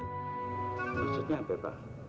tunggu ya pak